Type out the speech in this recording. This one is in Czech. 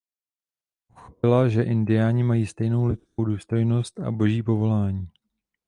Pochopila že Indiáni mají stejnou lidskou důstojnost a Boží povolání.